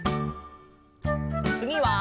つぎは。